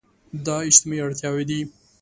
دا اجتماعي اړتياوې دي.